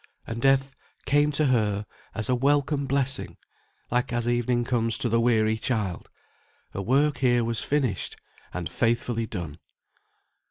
And death came to her as a welcome blessing, like as evening comes to the weary child. Her work here was finished, and faithfully done.